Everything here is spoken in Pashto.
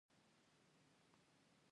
ایا کله چې ټوخی کوئ سر مو دردیږي؟